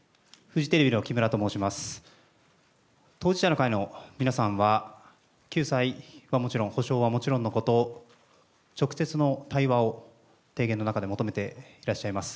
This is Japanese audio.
当事者の会の皆さんは、救済はもちろん、補償はもちろんのこと、直接の対話を提言の中で求めていらっしゃいます。